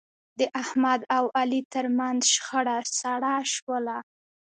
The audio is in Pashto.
د احمد او علي ترمنځ شخړه سړه شوله.